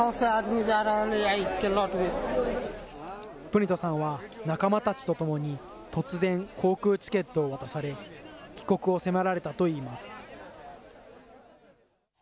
プニトさんは仲間たちとともに突然、航空チケットを渡され、帰国を迫られたといいます。